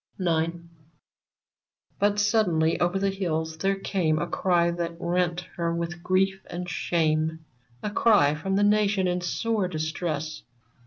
IX. But suddenly over the hills there came A cry that rent her with grief and shame — A cry from the Nation in sore distress.